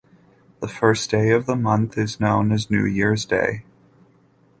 The first day of the month is known as New Year's Day.